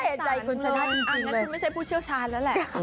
อ่ะอันนั้นคุณไม่ใช่ผู้เชี่ยวชาญแล้วแหละ